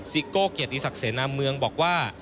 โก้เกียรติศักดิเสนาเมืองบอกว่า